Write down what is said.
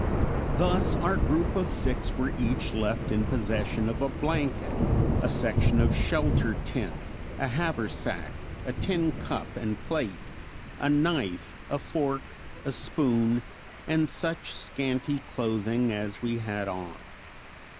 Thus our group of six were each left in possession of a blanket, a section of shelter tent, a haversack, a tin cup and plate, a knife, a fork, a spoon, and such scanty clothing as we had on.